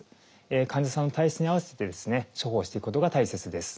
患者さんの体質に合わせてですね処方していくことが大切です。